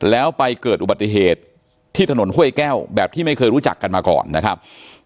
แล้วไปเกิดอุบัติเหตุที่ถนนห้วยแก้วแบบที่ไม่เคยรู้จักกันมาก่อนนะครับ